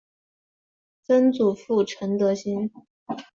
曾祖父陈德兴。